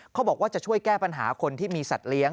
เขาบอกว่าจะช่วยแก้ปัญหาคนที่มีสัตว์เลี้ย